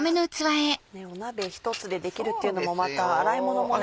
鍋１つでできるっていうのもまた洗い物もね。